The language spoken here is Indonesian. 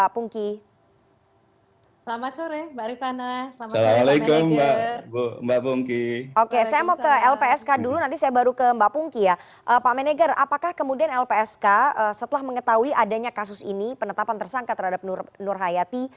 pak menegar apakah kemudian lpsk setelah mengetahui adanya kasus ini penetapan tersangka terhadap nur hayati